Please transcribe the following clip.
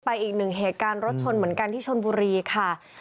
อีกหนึ่งเหตุการณ์รถชนเหมือนกันที่ชนบุรีค่ะ